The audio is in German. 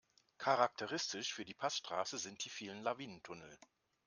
Charakteristisch für die Passstraße sind die vielen Lawinentunnel.